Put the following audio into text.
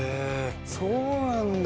そうなんだ。